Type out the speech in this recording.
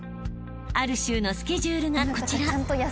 ［ある週のスケジュールがこちら］